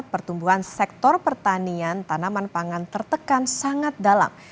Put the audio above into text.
pertumbuhan sektor pertanian tanaman pangan tertekan sangat dalam